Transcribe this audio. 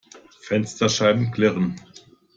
Fensterscheiben klirren.